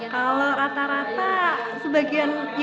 kalau rata rata sebagian dari mereka naik